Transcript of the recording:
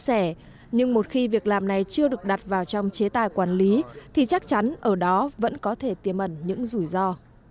chia sẻ nhưng một khi việc làm này chưa được đặt vào trong chế tài quản lý thì chắc chắn ở đó vẫn có thể tiềm ẩn những rủi ro